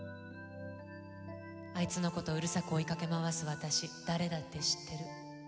あいつのことうるさく追いかけ回す私誰だって知ってる。